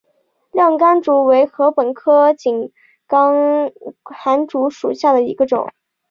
亮竿竹为禾本科井冈寒竹属下的一个种。